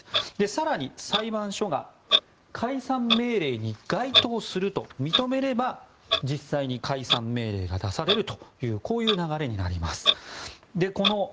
更に裁判所が解散命令に該当すると認めれば実際に解散命令が出されるという流れになります。